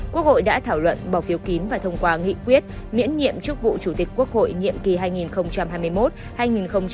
quốc hội đã thảo luận bỏ phiếu kín và thông qua nghị quyết miễn nhiệm chức vụ chủ tịch quốc hội nhiệm kỳ hai nghìn hai mươi một hai nghìn hai mươi năm